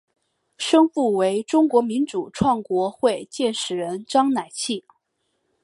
生父为中国民主建国会创始人章乃器。